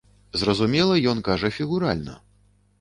Зразумела, ён кажа фігуральна.